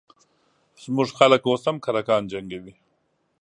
زموږ خلک اوس هم کرکان جنګوي